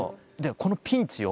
このピンチを。